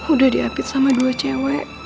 udah diapit sama dua cewek